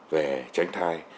về tranh thai